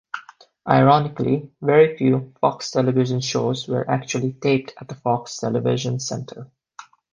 Ironically, very few Fox television shows were actually taped at the Fox Television Center.